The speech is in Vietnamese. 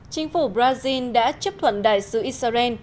chính phủ brazil đã chấp thuận đại sứ israel